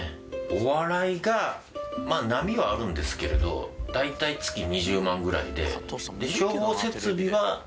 お笑いがまあ波はあるんですけれど大体月２０万ぐらいで。